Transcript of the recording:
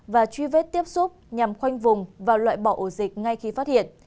và truy vết tiếp xúc nhằm khoanh vùng và loại bỏ ổ dịch ngay khi phát hiện